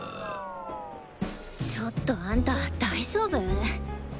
ちょっとあんた大丈夫？